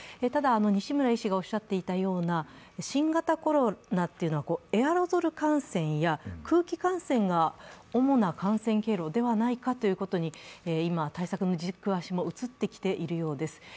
ただ西村医師がおっしゃっていたような新型コロナはエアロゾル感染や空気感染が主な感染経路ではないかということに今、対策の軸足も移ってきているようです。